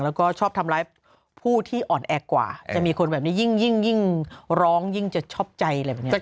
แล้วก็ชอบทำร้ายผู้ที่อ่อนแอกว่าจะมีคนแบบนี้ยิ่งร้องยิ่งจะชอบใจอะไรแบบนี้